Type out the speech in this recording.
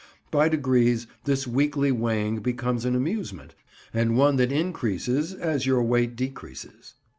By degrees this weekly weighing becomes an amusement, and one that increases as your weight decreases.